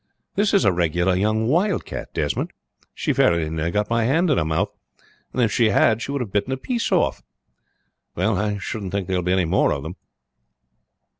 "This is a regular young wildcat, Desmond. She very nearly got my hand in her mouth, and if she had she would have bitten a piece out. Well, I shouldn't think there will be any more of them."